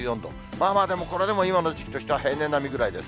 まあまあでも、これでも今の時期としては平年並みぐらいです。